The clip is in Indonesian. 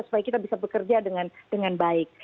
supaya kita bisa bekerja dengan baik